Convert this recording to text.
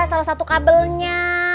salah satu kabelnya